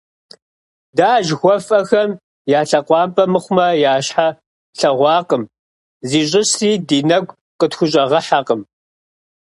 Дэ а жыхуэфӀэхэм я лъэкъуампӀэ мыхъумэ, я щхьэ тлъэгъуакъым, зищӀысри ди нэгу къытхущӀэгъэхьэкъым.